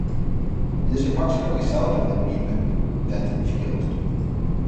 It is approximately south of the Beebe Vent Field.